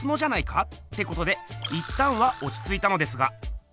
ってことでいったんはおちついたのですが。